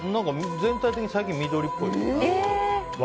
全体的には最近緑っぽい。